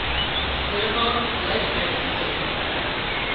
تيمان الاهي محنت ڪري